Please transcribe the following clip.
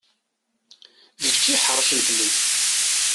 D kečč i iḥeṛcen fell-i.